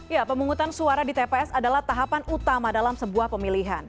ya pemungutan suara di tps adalah tahapan utama dalam sebuah pemilihan